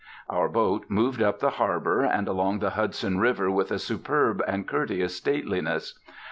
Our boat moved up the harbour and along the Hudson River with a superb and courteous stateliness.